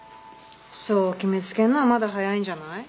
そう決めつけるのはまだ早いんじゃない？